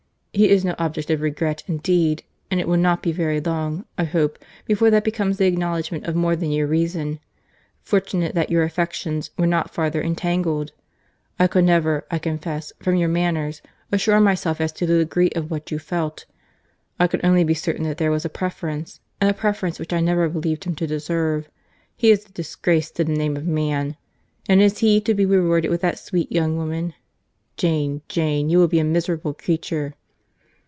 —He is no object of regret, indeed! and it will not be very long, I hope, before that becomes the acknowledgment of more than your reason.—Fortunate that your affections were not farther entangled!—I could never, I confess, from your manners, assure myself as to the degree of what you felt—I could only be certain that there was a preference—and a preference which I never believed him to deserve.—He is a disgrace to the name of man.—And is he to be rewarded with that sweet young woman?—Jane, Jane, you will be a miserable creature."